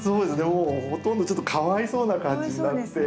もうほとんどちょっとかわいそうな感じになって。